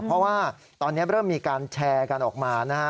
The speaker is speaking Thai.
เพราะว่าตอนนี้เริ่มมีการแชร์กันออกมานะฮะ